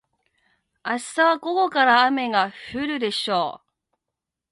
明日は午後から雨が降るでしょう。